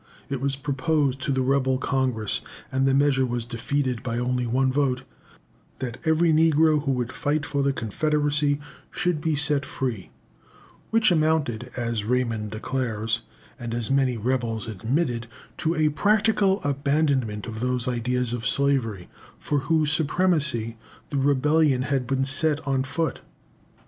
It was proposed to the rebel Congress and the measure was defeated by only one vote that every negro who would fight for the Confederacy should be set free; which amounted, as Raymond declares, and as many rebels admitted, to a practical abandonment of those ideas of slavery for whose supremacy the rebellion had been set on foot.